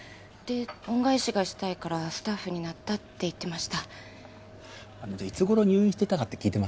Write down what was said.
恩返しがしたいからスタッフになったって言ってましたいつ頃入院していたかは？